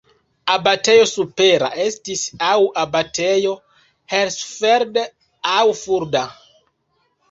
Abatejo supera estis aŭ Abatejo Hersfeld aŭ Fulda.